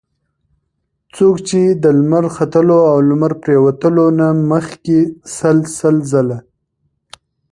څوک چې د لمر ختلو او لمر پرېوتلو نه مخکي سل سل ځله